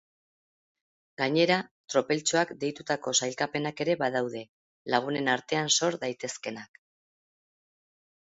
Gainera, tropeltxoak deitutako sailkapenak ere badaude, lagunen artean sor daitezkeenak.